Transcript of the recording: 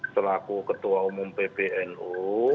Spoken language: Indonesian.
selaku ketua umum pbnu